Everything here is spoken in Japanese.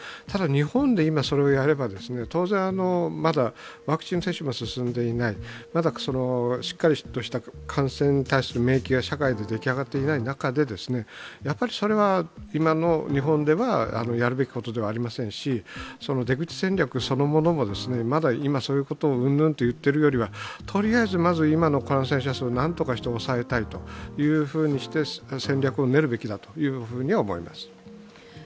ただ日本で今それをやれば、当然まだワクチン接種も進んでいない、しっかりとした感染に対する免疫が社会で出来上がっていない中で、やっぱりそれは今の日本ではやるべきことではありませんし、出口戦略そのものもまだ今、そういうことうんぬんを言っているよりは今の感染者数をなんとかして抑えたいというふうにして戦略を練るべきだとは思います。